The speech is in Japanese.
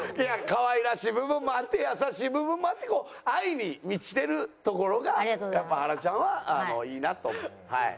可愛らしい部分もあって優しい部分もあって愛に満ちてるところがやっぱりはらちゃんはいいなとはい。